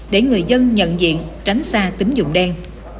để người dân nhận diện tránh xa tính dụng đen